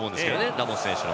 ラモス選手の。